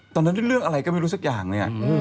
ตอนนั้นเรื่องอะไรก็ไม่รู้สักอย่างเนี่ย